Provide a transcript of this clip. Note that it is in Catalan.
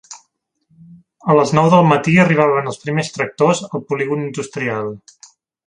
A les nou del matí arribaven els primers tractors al polígon industrial.